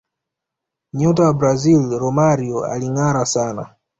nyota wa brazil romario alingara sana